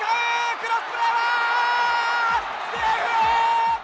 クロスプレーはセーフ！